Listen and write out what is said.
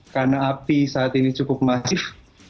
karena api saat ini cukup masif